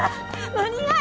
間に合え！